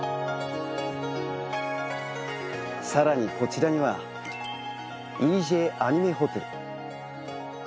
更にこちらにはＥＪアニメホテル。